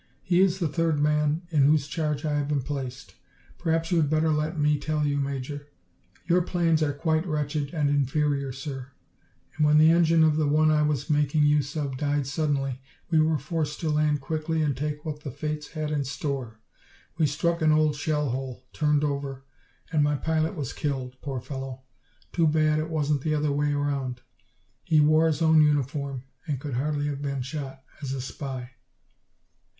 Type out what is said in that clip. "He is the third man in whose charge I have been placed. Perhaps you had better let me tell you, Major. Your planes are quite wretched and inferior, sir, and when the engine of the one I was making use of died suddenly, we were forced to land quickly and take what the Fates had in store. We struck an old shell hole, turned over, and my pilot was killed, poor fellow! Too bad it wasn't the other way round. He wore his own uniform, and could hardly have been shot as a spy."